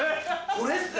これっすね！